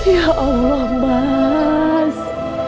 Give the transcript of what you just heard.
ya allah mas